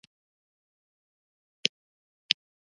پاچا په دې کار سره ښکاره ظلم کوي.